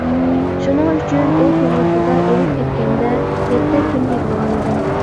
شۇنىڭ ئۈچۈن، ئۇ تۇغۇتىدا ئۆلۈپ كەتكەندە، يەتتە كۈن يىغلىغانىدىم.